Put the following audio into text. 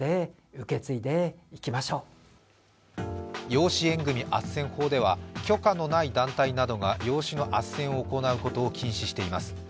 養子縁組あっせん法では許可のない団体などが養子のあっせんを行うことを禁止しています。